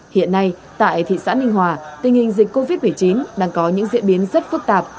hiện nay tại thị xã ninh hòa tình hình dịch covid một mươi chín đang có những diễn biến rất phức tạp